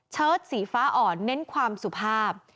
สีฟ้าอ่อนเน้นความสุภาพ